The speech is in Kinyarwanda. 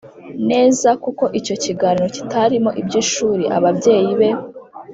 Neza kuko icyo kiganiro kitarimo iby ishuri ababyeyi be